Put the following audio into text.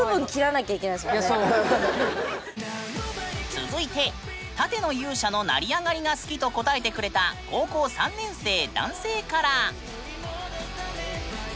続いて「盾の勇者の成り上がり」が好きと答えてくれた高校３年生男性から。